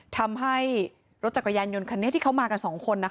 ทำให้รถจักรยานยนต์ของขนดิ่นเขามากันสองคน